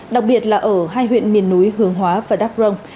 đặc biệt là ở hai huyện miền núi hướng hóa và đắk rồng